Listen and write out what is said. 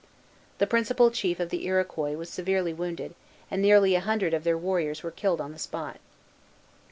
The principal chief of the Iroquois was severely wounded, and nearly a hundred of their warriors were killed on the spot.